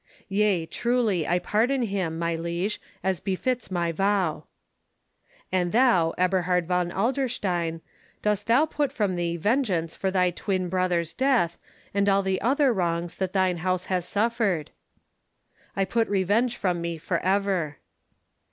"Yea, truly; I pardon him, my liege, as befits my vow." "And thou, Eberhard von Adlerstein, dost thou put from thee vengeance for thy twin brother's death, and all the other wrongs that thine house has suffered?" "I put revenge from me for ever."